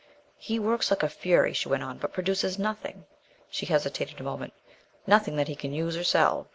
"He works like a fury," she went on, "but produces nothing" she hesitated a moment "nothing that he can use or sell.